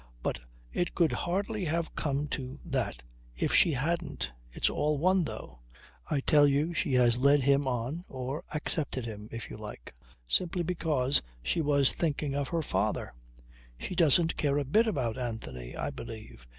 But it could hardly have come to that if she hadn't ... It's all one, though. I tell you she has led him on, or accepted him, if you like, simply because she was thinking of her father. She doesn't care a bit about Anthony, I believe.